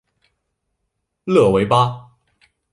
勒维巴。